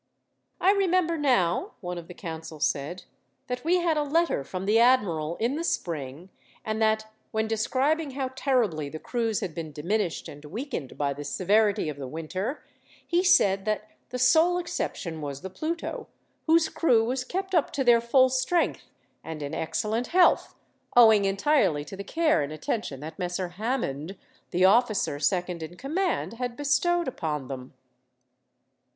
"I remember now," one of the council said, "that we had a letter from the admiral in the spring, and that, when describing how terribly the crews had been diminished and weakened by the severity of the winter, he said that the sole exception was the Pluto, whose crew was kept up to their full strength, and in excellent health, owing entirely to the care and attention that Messer Hammond, the officer second in command, had bestowed upon them."